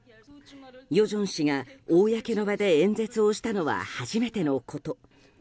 与正氏が公の場で演説をしたのは初めてのこと。